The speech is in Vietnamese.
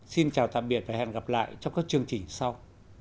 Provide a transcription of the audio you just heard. xin chào tạm biệt và hẹn gặp lại trong các chương trình sau